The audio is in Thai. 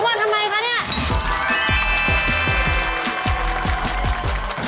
คุณค่ะสวัสดีสวัสดี